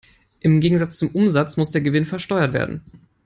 Im Gegensatz zum Umsatz muss der Gewinn versteuert werden.